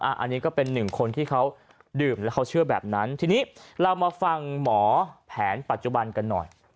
อันนี้ก็เป็นหนึ่งคนที่เขาดื่มแล้วเขาเชื่อแบบนั้นทีนี้เรามาฟังหมอแผนปัจจุบันกันหน่อย